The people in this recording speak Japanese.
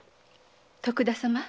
徳田様